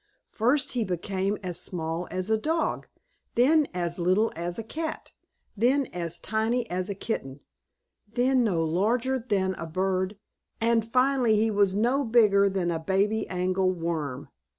First he became as small as a dog, then as little as a cat, then as tiny as a kitten, then no larger than a bird and finally he was no bigger than a baby angle worm.